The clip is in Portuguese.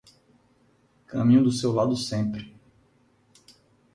Caminho do seu lado sempre